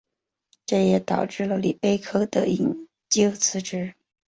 这也导致了里贝克的引咎辞职。